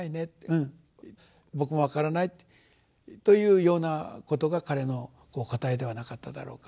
うん僕も分からないというようなことが彼の答えではなかっただろうかと。